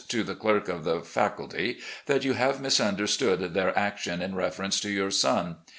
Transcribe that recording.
to the clerk of the faculty, that you have mis understood their action in reference to your son.